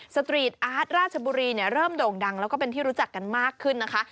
สตรีทอาร์ตราชบุรีเริ่มโด่งดังแล้วก็เป็นที่รู้จักกันมากขึ้นนะคะ